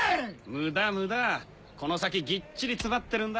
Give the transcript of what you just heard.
ムダムダこの先ぎっちり詰まってるんだ。